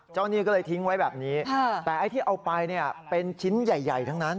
หนี้ก็เลยทิ้งไว้แบบนี้แต่ไอ้ที่เอาไปเนี่ยเป็นชิ้นใหญ่ทั้งนั้น